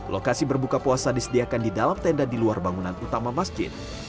lokasi berbuka puasa disediakan di dalam tenda di luar bangunan utama masjid